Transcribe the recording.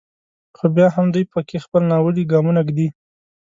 خو بیا هم دوی په کې خپل ناولي ګامونه ږدي.